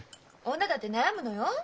女だって悩むのよ。